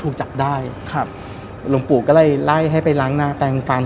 ถูกจับได้ครับหลวงปู่ก็เลยไล่ให้ไปล้างหน้าแปลงฟัน